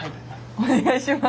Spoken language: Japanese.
お願いします。